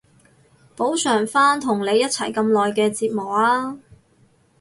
補償返同你一齊咁耐嘅折磨啊